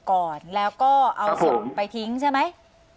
ก่อนแล้วก็เอาศพไปทิ้งใช่ไหม